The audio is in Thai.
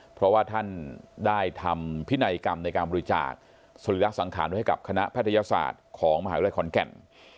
เพราะว่าท่านได้ทำพินัยกรรมในการบริจาคสรีระสังขารไว้ให้กับคณะแพทยศาสตร์ของมหาวิทยาลัยขอนแก่น